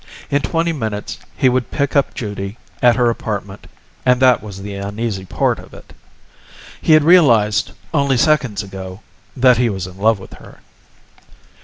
In twenty minutes he would pick up Judy at her apartment, and that was the uneasy part of it. He had realized, only seconds ago, that he was in love with her.